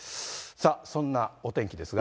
さあ、そんなお天気ですが。